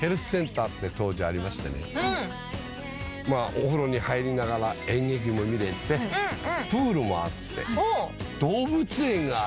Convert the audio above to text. お風呂に入りながら演劇も見れてプールもあって動物園があって。